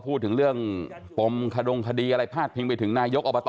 พูดถึงเรื่องปมขดงคดีอะไรพาดพิงไปถึงนายกอบต